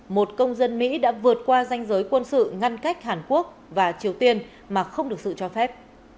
một công dân mỹ đã vượt qua danh giới quân sự ngăn cách hàn quốc và triều tiên mà không được sự cho phép